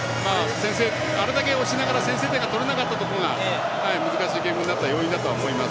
あれだけ押しながら先制点が取れなかったところが難しいゲームになった要因だと思います。